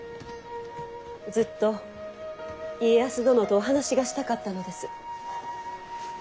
ずっと家康殿とお話がしたかったのです。